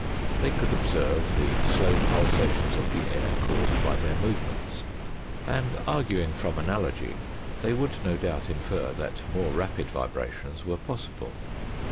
They could observe the slow pulsations of the air caused by their movements, and arguing from analogy, they would no doubt infer that more rapid vibrations were possible.